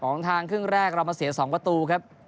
ของทางครึ่งแรกเรามาเสีย๒ประตูครับ